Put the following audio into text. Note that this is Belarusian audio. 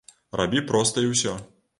Рабі проста і ўсё.